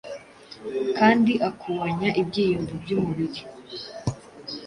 kandi akuanya ibyiyumvo byumubiri